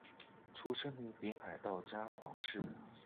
出生于北海道札幌市。